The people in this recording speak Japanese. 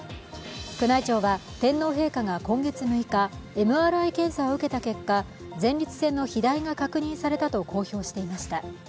宮内庁は、天皇陛下が今月６日ＭＲＩ検査を受けた結果前立腺の肥大が確認されたと公表していました。